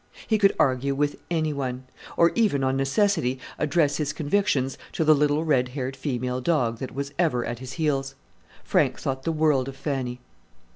He could argue with any one; or even on necessity address his convictions to the little red haired female dog that was ever at his heels. Frank thought the world of Fanny.